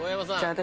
私